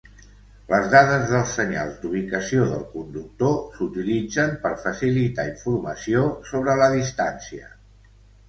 Les dades dels senyals d'ubicació del conductor s'utilitzen per facilitar informació sobre la distància.